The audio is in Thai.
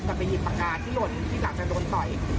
กลับไปหยิบปากงานที่หล่นที่สามารถจะโดนต่อย